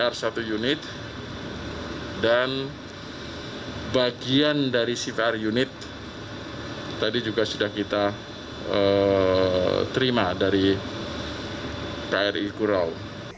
r satu unit dan bagian dari cvr unit tadi juga sudah kita terima dari kri kurau